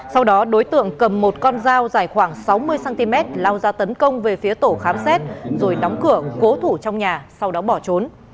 sau đó đối tượng cầm một con dao dài khoảng sáu mươi cm lao ra tấn công về phía tổ khám xét rồi đóng cửa cố thủ trong nhà sau đó bỏ trốn